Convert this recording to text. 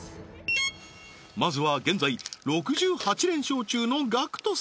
まずは現在６８連勝中のＧＡＣＫＴ様